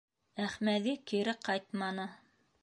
Әхмәҙи кире ҡайтманы.